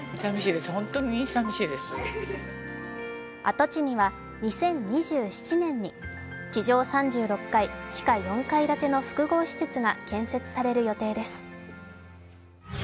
跡地には２０２７年に地上３６階地下４階建ての複合施設が建設される予定です。